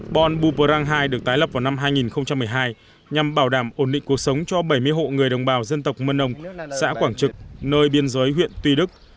bon buprang hai được tái lập vào năm hai nghìn một mươi hai nhằm bảo đảm ổn định cuộc sống cho bảy mươi hộ người đồng bào dân tộc mân âu xã quảng trực nơi biên giới huyện tuy đức